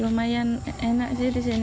lumayan enak sih di sini